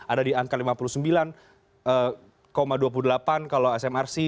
ada di angka lima puluh sembilan dua puluh delapan kalau smrc